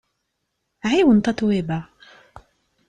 Ɛiwen Tatoeba!